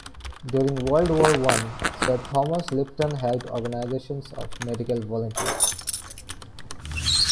During World War One, Sir Thomas Lipton helped organizations of medical volunteers.